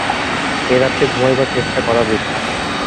এ রাত্রে ঘুমাইবার চেষ্টা করা বৃথা।